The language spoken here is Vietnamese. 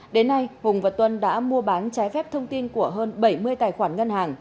đến nay hùng và tuân đã mua bán trái phép thông tin của hơn bảy mươi tài khoản ngân hàng